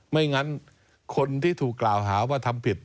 ไม่งั้นคนที่ถูกกล่าวหาว่าทำผิด